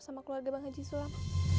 sama keluarga bang haji sulam